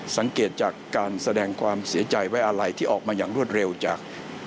สังเกตจากการแสดงความเสียใจไว้อะไรที่ออกมาอย่างรวดเร็วจาก